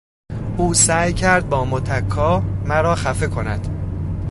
او سعی کرد با متکا مرا خفه کند.